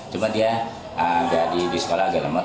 cuma dia di sekolah agak lemah